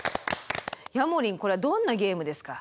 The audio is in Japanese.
ヤモリンこれはどんなゲームですか？